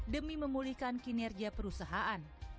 demi memulihkan kinerja perusahaan